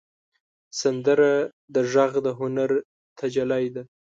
سندره د غږ د هنر تجلی ده